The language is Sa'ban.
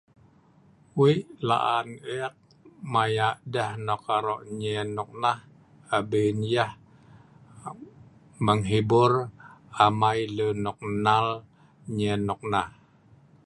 Wei' la'an ek maya deh nok aro' nyen nok nah abin yah menghibur amai lun nok nal nyen noknah.